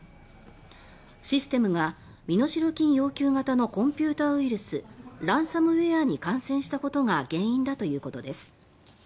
システムが身代金要求型のコンピューターウイルス「ランサムウェア」に感染したことが原因だということです。